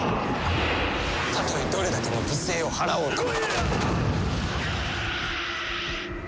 たとえどれだけの犠牲を払おうとも。